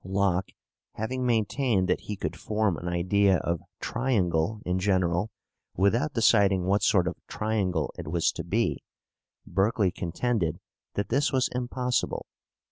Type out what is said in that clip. Locke having maintained that he could form an idea of triangle in general, without deciding what sort of triangle it was to be, Berkeley contended that this was impossible.